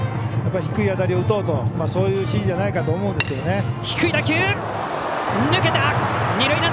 やっぱり低い当たりを打とうとそういう指示じゃないかと思うんですけどね。